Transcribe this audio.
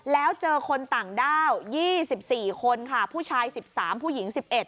แล้วเจอคนต่างด้าว๒๔คนค่ะผู้ชาย๑๓ผู้หญิง๑๑